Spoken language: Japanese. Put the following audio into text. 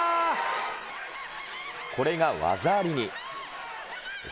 これが技ありに。